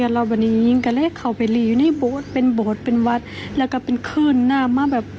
แล้ววันนี้ยิ่งก็เลยเข้าไปรีอยู่ในโบสถ์เป็นโบสถ์เป็นวัดแล้วก็เป็นขึ้นหน้ามาแบบ